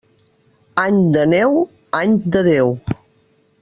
Any de neu, any de Déu.